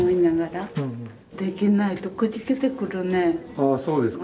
ああそうですか。